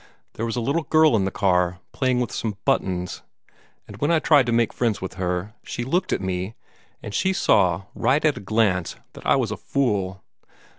There was a little girl in the car, playing with some buttons, and when I tried to make friends with her, she looked at me, and she saw, right at a glance, that I was a fool.